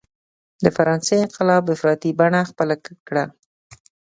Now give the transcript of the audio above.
د فرانسې انقلاب افراطي بڼه خپله کړه.